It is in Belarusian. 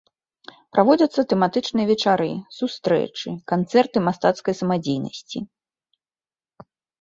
Праводзяцца тэматычныя вечары, сустрэчы, канцэрты мастацкай самадзейнасці.